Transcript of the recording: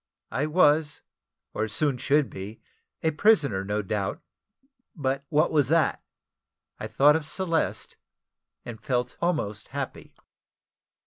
I was, or soon should be, a prisoner, no doubt; but what was that? I thought of Celeste, and felt almost happy.